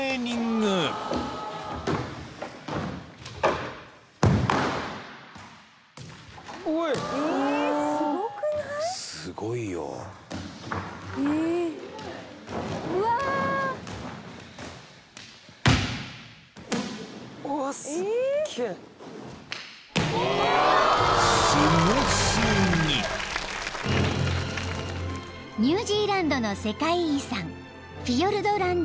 ［ニュージーランドの世界遺産］